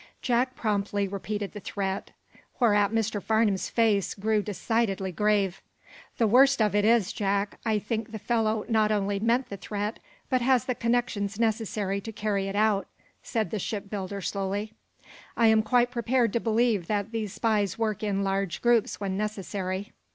Jack promptly repeated the threat, whereat Mr. Farnum's face grew decidedly grave. "The worst of it is, Jack, I think the fellow not only meant the threat, but has the connections necessary to carry it out," said the ship builder, slowly. "I am quite prepared to believe that these spies work in large groups, when necessary.